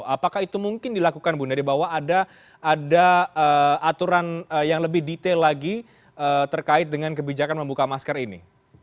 apakah itu mungkin dilakukan bu nadia bahwa ada aturan yang lebih detail lagi terkait dengan kebijakan membuka masker ini